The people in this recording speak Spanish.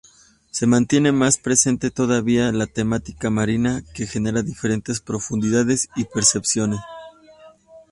Se mantiene más presente todavía la temática marina que genera diferentes profundidades y percepciones.